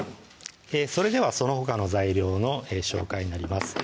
それではそのほかの材料の紹介になります